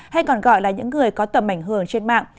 hay còn gọi là những người có tầm ảnh hưởng trên mạng